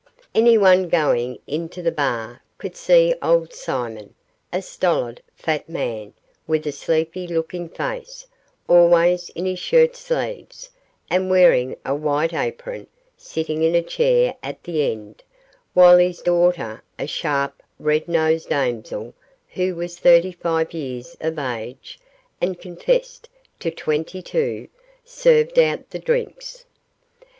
Anyone going into the bar could see old Simon a stolid, fat man, with a sleepy looking face, always in his shirt sleeves, and wearing a white apron, sitting in a chair at the end, while his daughter, a sharp, red nosed damsel, who was thirty five years of age, and confessed to twenty two, served out the drinks.